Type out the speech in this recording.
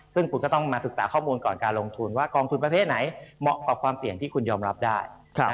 ซึ่งคุณก็ต้องมาศึกษาข้อมูลก่อนการลงทุนว่ากองทุนประเภทไหนเหมาะกับความเสี่ยงที่คุณยอมรับได้